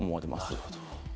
なるほど。